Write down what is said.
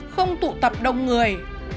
không tụ tập đông người